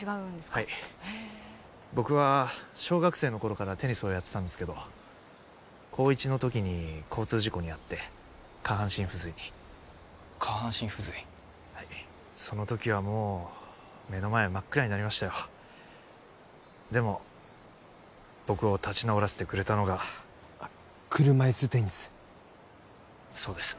はい僕は小学生の頃からテニスをやってたんですけど高１の時に交通事故に遭って下半身不随に下半身不随はいその時はもう目の前真っ暗になりましたよでも僕を立ち直らせてくれたのが車いすテニスそうです